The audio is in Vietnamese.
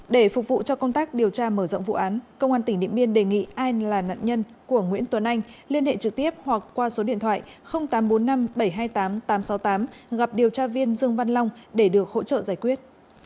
để phục vụ cho công tác điều tra mở rộng vụ án công an tỉnh điện biên đề nghị ai là nạn nhân của nguyễn tuấn anh liên hệ trực tiếp hoặc qua số điện thoại tám trăm bốn mươi năm bảy trăm hai mươi tám tám trăm sáu mươi tám gặp điều tra viên dương văn long để được hỗ trợ giải quyết